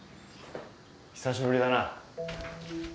久しぶりだな！